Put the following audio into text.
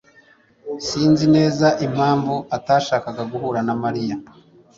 Sinzi neza impamvu atashakaga guhura na Mariya.